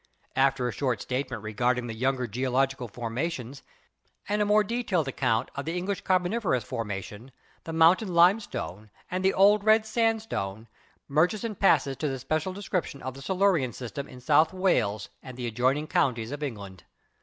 After a short statement regarding the younger geo logical formations and a more detailed account of the English Carboniferous formation, the Mountain Limestone and the Old Red Sandstone, Murchison passes to the spe cial description of the Silurian system in South Wales and the adjoining counties of England.